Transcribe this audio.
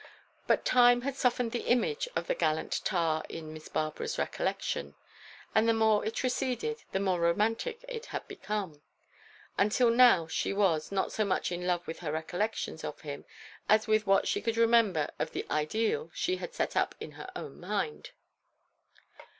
But time had softened the image of the gallant tar in Miss Barbara's recollection, and the more it receded, the more romantic it had become, until now she was, not so much in love with her recollections of him, as with what she could remember of the ideal she had set up in her own mind.